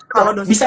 kalau dosisnya pas